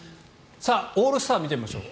オールスターを見てみましょう。